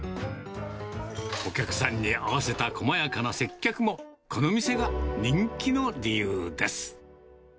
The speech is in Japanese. お客さんに合わせた細やかな接客も、この店が人気の理由です。